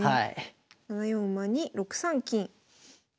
７四馬に６三金。